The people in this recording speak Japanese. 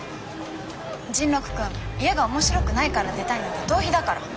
甚六君家が面白くないから出たいなんて逃避だから。